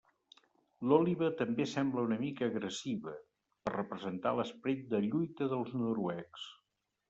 L'òliba també sembla una mica agressiva, per representar l'esperit de lluita dels noruecs.